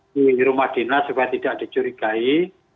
di rumah dinas supaya tidak dicurigai